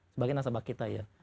sebagian nasabah kita ya